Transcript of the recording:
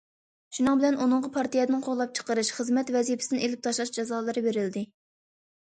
شۇنىڭ بىلەن، ئۇنىڭغا پارتىيەدىن قوغلاپ چىقىرىش، خىزمەت ۋەزىپىسىدىن ئېلىپ تاشلاش جازالىرى بېرىلدى.